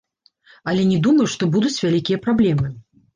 Але не думаю, што будуць вялікія праблемы.